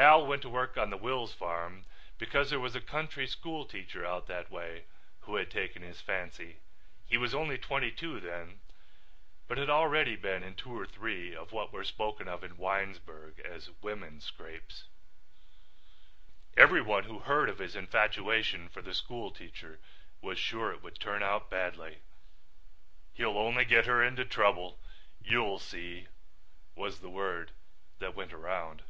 Hal went to work on the Wills farm because there was a country school teacher out that way who had taken his fancy. He was only twenty two then but had already been in two or three of what were spoken of in Winesburg as "women scrapes." Everyone who heard of his infatuation for the school teacher was sure it would turn out badly. "He'll only get her into trouble, you'll see," was the word that went around.